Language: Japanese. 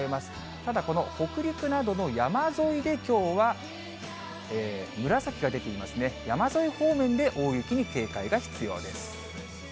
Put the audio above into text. ただ、この北陸などの山沿いできょうは紫が出ていますね、山沿い方面で大雪に警戒が必要です。